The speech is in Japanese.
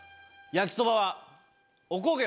やきそばは。